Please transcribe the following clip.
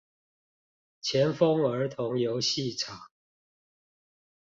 前峰兒童遊戲場